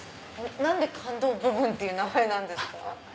何で感動ボブンっていう名前なんですか？